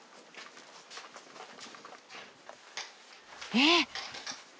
えっ！